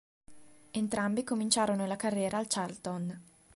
Entrambi cominciarono la carriera al Charlton.